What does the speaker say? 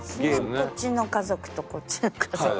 こっちの家族とこっちの家族で。